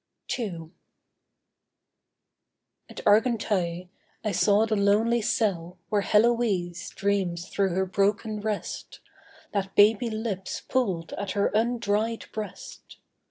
II At Argenteuil, I saw the lonely cell Where Heloise dreamed through her broken rest, That baby lips pulled at her undried breast.